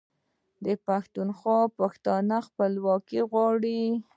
د پښتونخوا پښتانه خپلواکي غواړي.